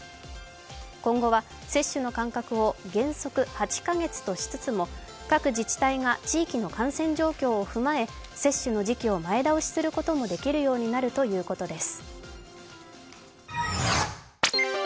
今後は接種の間隔を原則８カ月としつつも、各自治体が地域の感染状況を踏まえ接種の時期を前倒しすることもできるようになるということです。